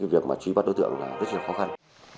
việc truy bắt đối tượng rất là khó khăn